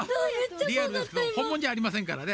リアルですけどほんものじゃありませんからね。